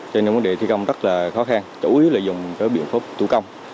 cho nên vấn đề thi công rất là khó khăn chủ yếu là dùng cái biện pháp thủ công